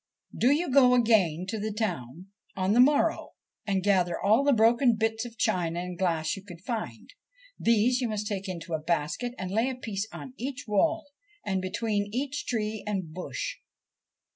Do you go again to the town on the morrow, and gather all the broken bits of china and glass you can find. These you must take in a basket, and lay a piece on each wall and between each tree and bush.